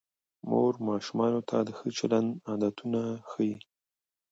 مور ماشومانو ته د ښه چلند عادتونه ښيي